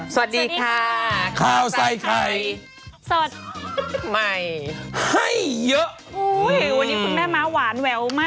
สวัสดีค่ะข้าวใส่ไข่สดใหม่ให้เยอะอุ้ยวันนี้คุณแม่ม้าหวานแววมาก